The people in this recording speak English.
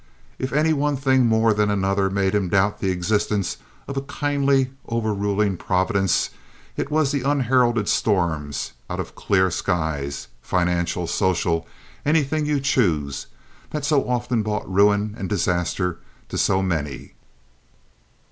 If any one thing more than another made him doubt the existence of a kindly, overruling Providence, it was the unheralded storms out of clear skies—financial, social, anything you choose—that so often brought ruin and disaster to so many.